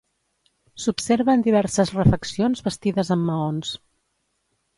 S'observen diverses refeccions bastides amb maons.